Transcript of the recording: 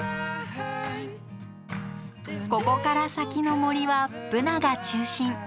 ここから先の森はブナが中心。